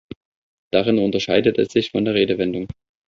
Darin unterscheidet es sich von der Redewendung.